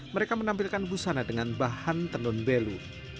mereka menampilkan busana dengan bahan tenun belu